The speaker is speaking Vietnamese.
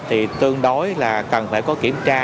thì tương đối là cần phải có kiểm tra